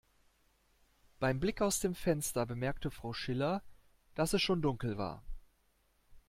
Beim Blick aus dem Fenster bemerkte Frau Schiller, dass es schon dunkel war.